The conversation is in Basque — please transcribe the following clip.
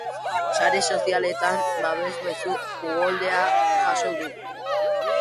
Sare sozialetan babes mezu uholdea jaso du.